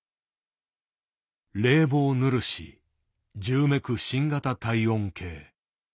「冷房ぬるし銃めく新型体温計」。